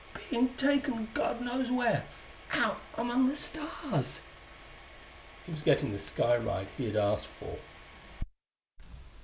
"Being taken God knows where, out among the stars...." He was getting the sky ride he had asked for.